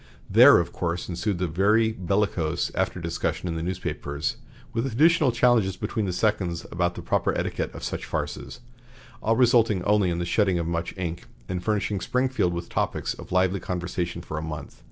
There, of course, ensued the usual very bellicose after discussion in the newspapers, with additional challenges between the seconds about the proper etiquette of such farces, all resulting only in the shedding of much ink and furnishing Springfield with topics of lively conversation for a month.